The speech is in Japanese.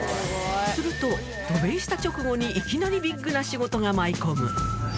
すると、渡米した直後にいきなりビッグな仕事が舞い込む。